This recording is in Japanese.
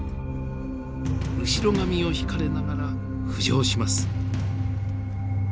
後ろ髪を引かれながら浮上します。